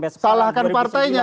jangan salahkan partainya